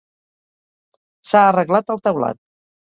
S'ha arreglat el teulat.